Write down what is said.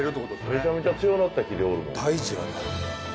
めちゃめちゃ強なった気でおるもん。